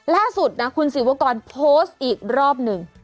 ล่าสุดนะคุณศิวกรโพสต์อีกรอบหนึ่ง